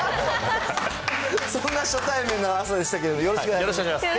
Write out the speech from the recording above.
そんな初対面の朝でしたけれども、よろしくお願いいたします。